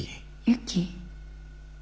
ユキ？